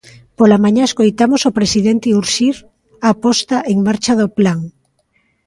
Pola mañá escoitamos o presidente urxir a posta en marcha do plan.